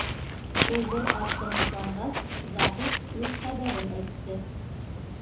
Ул бер аҙ тынысланғас, Заһит үҙ хәбәрен әйтте: